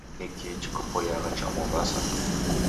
Ni kihi chikupoiyagha cha Mombasa?